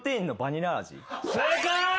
正解！